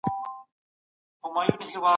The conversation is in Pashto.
هغې د خپلو همکارانو مرسته وغوښته.